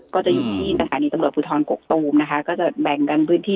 ก็จะอยู่ที่สถานีตำรวจภูทรกกตูมนะคะก็จะแบ่งกันพื้นที่